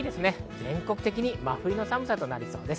全国的に真冬の寒さとなりそうです。